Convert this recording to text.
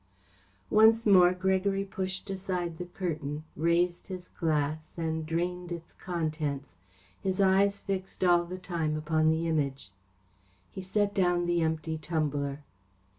Once more Gregory pushed aside the curtain, raised his glass and drained its contents, his eyes fixed all the time upon the Image. He set down the empty tumbler.